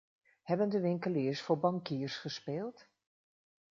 Hebben de winkeliers voor bankiers gespeeld?